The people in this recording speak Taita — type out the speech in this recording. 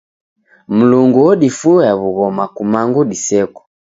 Mlungu odifuya w'ughoma kumangu diseko.